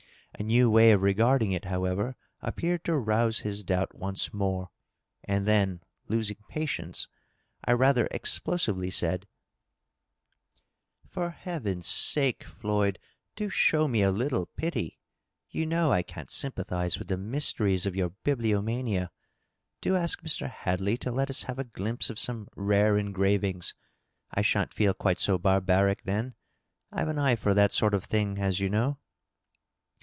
A new way of regarding it, however, appeared to rouse his doubt once more ; and then, losing patience, I rathej explo sively said, —" For heaven's sake, Floyd, do show me a little pity ! You know I can't sympathize with the mysteries of your bibliomania. Do ask Mr. Hadley to let us have a glimpse of some rare engravings. I shan't feel quite so barbaric then ; I've an eye for that sort of thing, as you know."